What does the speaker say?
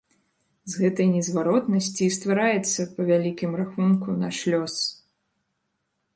З гэтай незваротнасці і ствараецца, па вялікім рахунку, наш лёс.